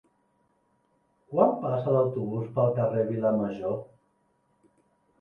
Quan passa l'autobús pel carrer Vilamajor?